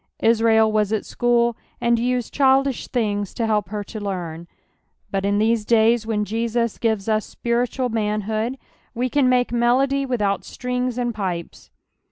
Israijl was at school, and used childish things to help her to learn ; but in these days, when Jesus gives us spiritual inan hood, we can make melody without strings and pipes.